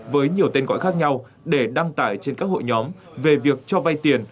với nhiều tên gọi khác nhau để đăng tải trên các hội nhóm về việc cho vay tiền